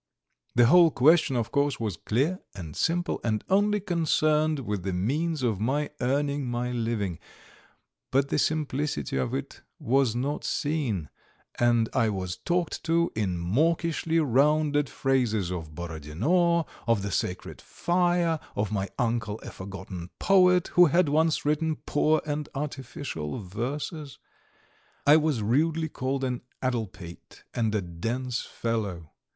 The whole question, of course, was clear and simple, and only concerned with the means of my earning my living; but the simplicity of it was not seen, and I was talked to in mawkishly rounded phrases of Borodino, of the sacred fire, of my uncle a forgotten poet, who had once written poor and artificial verses; I was rudely called an addlepate and a dense fellow.